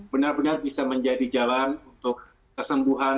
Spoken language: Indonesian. benar benar bisa menjadi jalan untuk kesembuhan